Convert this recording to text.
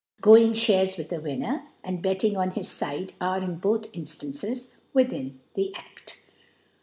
Going Shares with rheWmfter, and Bectibg on. his^ Side, are, in^both In . •ftancesv withm the Aft.